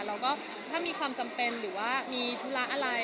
แล้วก็ถ้ามีความจำเป็นหรือว่ามีธุระอะไร